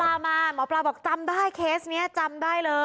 มาหมอปลาบอกจำได้เคสนี้จำได้เลย